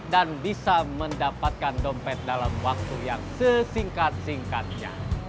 dan bisa mendapatkan dompet dalam waktu yang sesingkat singkatnya